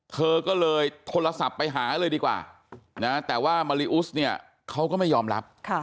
เธอก็เลยโทรศัพท์ไปหาเลยดีกว่านะแต่ว่ามาริอุสเนี่ยเขาก็ไม่ยอมรับ